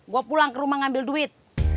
gue pulang ke rumah ngambil duit